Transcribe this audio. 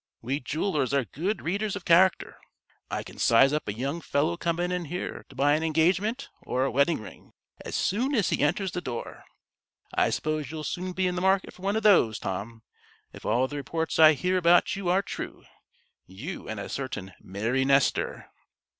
We jewelers are good readers of character. I can size up a young fellow coming in here to buy an engagement or a wedding ring, as soon as he enters the door. I suppose you'll soon be in the market for one of those, Tom, if all the reports I hear about you are true you and a certain Mary Nestor."